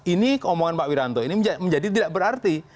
ini keomongan pak wiranto ini menjadi tidak berarti